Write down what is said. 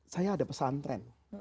saya ada pesan tren